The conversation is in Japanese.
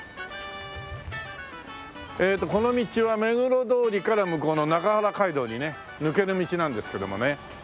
この道は目黒通りから向こうの中原街道にね抜ける道なんですけどもね。